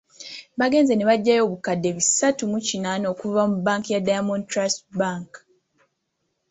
Bagenze ne baggyayo obukadde bisatu mu kinaana okuva mu banka ya Diamond Trust Bank.